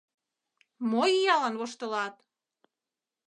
— Мо иялан воштылат?